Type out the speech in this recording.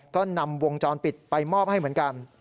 ก็นำวงจรปิดไปมอบให้เหมือนกัน